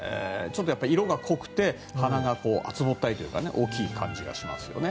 色が濃くて花が厚ぼったいというか大きい感じがしますよね。